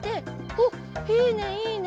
おっいいねいいね。